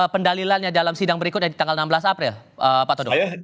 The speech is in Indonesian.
pendalilannya dalam sidang berikutnya di tanggal enam belas april pak todo